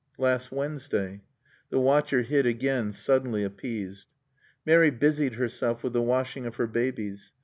"Last Wednesday." The watcher hid again, suddenly appeased. Mary busied herself with the washing of her babies.